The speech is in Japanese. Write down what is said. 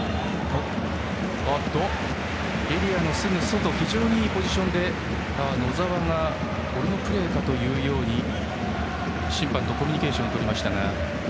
エリアのすぐ外非常にいいポジションで野澤が俺のプレーか？というように審判とコミュニケーションをとりました。